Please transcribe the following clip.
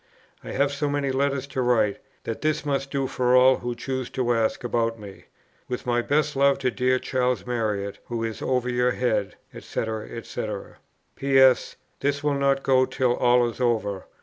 "I have so many letters to write, that this must do for all who choose to ask about me. With my best love to dear Charles Marriott, who is over your head, &c., &c. "P.S. This will not go till all is over.